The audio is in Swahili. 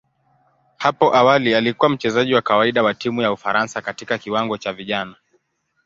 Hapo awali alikuwa mchezaji wa kawaida wa timu ya Ufaransa katika kiwango cha vijana.